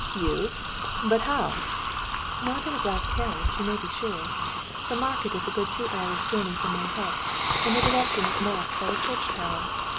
"You? But how?" "Not in a glass carriage, you may be sure. The market is a good two hours' journey from our hut, and the direction is marked by the church tower.